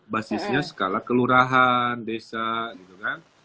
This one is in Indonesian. basisnya skala kelurahan desa gitu kan